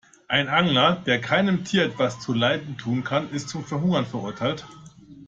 Ein Angler, der keinem Tier etwas zuleide tun kann, ist zum Verhungern verurteilt.